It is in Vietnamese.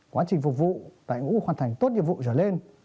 quá trình phục vụ đội ngũ hoàn thành tốt nhiệm vụ trở lên